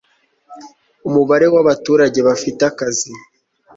umubare w'abaturage bafite akazi